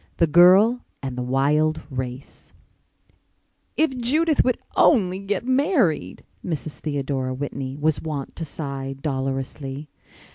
The Girl and The Wild RaceToC "If Judith would only get married," Mrs. Theodora Whitney was wont to sigh dolorously.